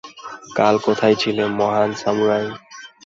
কাল কোথায় ছিলে, মহান সামুরাই?